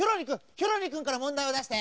ヒョロリくんからもんだいをだして。